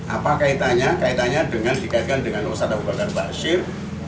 apa kaitannya kaitannya dikaitkan dengan ustadzah abu bakar bashir